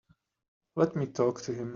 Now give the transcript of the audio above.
Let me talk to him.